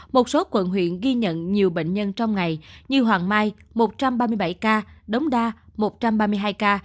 một số quận huyện ghi nhận nhiều bệnh nhân trong ngày như hoàng mai một trăm ba mươi bảy ca đống đa một trăm ba mươi hai ca